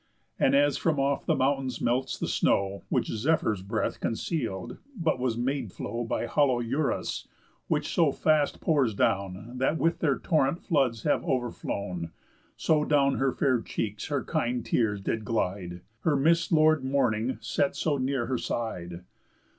And as from off the mountains melts the snow, Which Zephyr's breath conceal'd, but was made flow By hollow Eurus, which so fast pours down, That with their torrent floods have overflown; So down her fair cheeks her kind tears did glide, Her miss'd lord mourning set so near her side.